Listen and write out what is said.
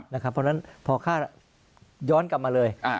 เพราะฉะนั้นพอค่าย้อนกลับมาเลย